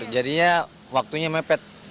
jadinya waktunya mepet